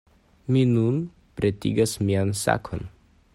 Mi nun pretigas mian sakon.